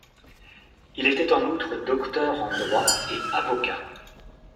Il était en outre docteur en droit et avocat.